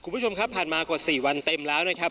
ผ่านมากว่า๔วันเต็มแล้วนะครับ